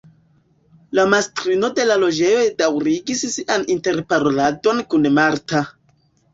La mastrino de la loĝejo daŭrigis sian interparoladon kun Marta.